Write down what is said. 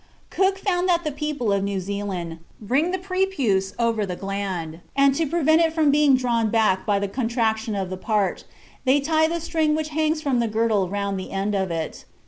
(Hawkesworth, op. cit., vol. ii, p. 254.) Cook found that the people of New Zealand "bring the prepuce over the gland, and to prevent it from being drawn back by contraction of the part, they tie the string which hangs from the girdle round the end of it.